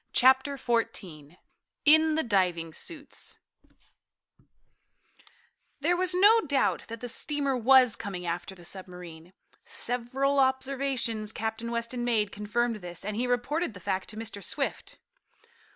Chapter Fourteen In the Diving Suits There was no doubt that the steamer was coming after the submarine. Several observations Captain Weston made confirmed this, and he reported the fact to Mr. Swift.